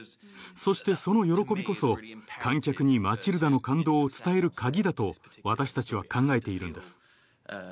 そしてその喜びこそ観客に『マチルダ』の感動を伝えるカギだと私たちは考えているんです。